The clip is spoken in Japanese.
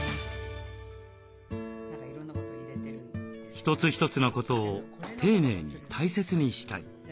一つ一つのことを丁寧に大切にしたい。